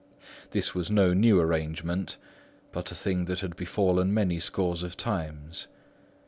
This was no new arrangement, but a thing that had befallen many scores of times.